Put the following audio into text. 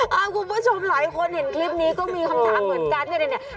คุณผู้ชมหลายคนเห็นคลิปนี้ก็มีคำถามเหมือนกันเนี่ย